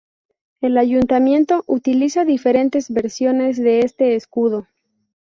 El ayuntamiento utiliza diferentes versiones de este escudo.